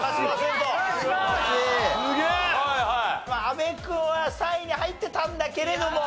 阿部君は３位に入ってたんだけれども。